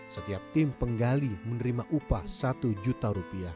setiap tim penggali menerima upah rp satu juta